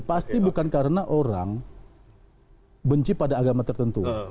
pasti bukan karena orang benci pada agama tertentu